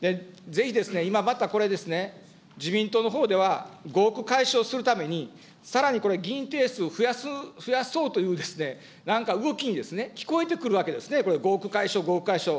ぜひ今またこれですね、自民党のほうでは合区解消するためにさらにこれ、議員定数を増やそうという、なんか動きにですね、聞こえてくるわけですね、これ合区解消、合区解消。